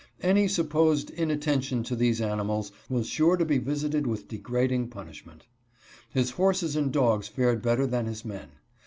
Any supposed inattention to these animals was sure to be visited with degrading punishment. His horses and dogs fared better than his men.